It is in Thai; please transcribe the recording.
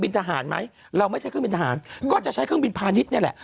ทหารไหมเราไม่ใช่เครื่องบินทหารก็จะใช้เครื่องบินพาณิชย์นี่แหละ